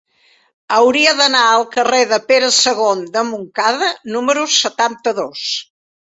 Hauria d'anar al carrer de Pere II de Montcada número setanta-dos.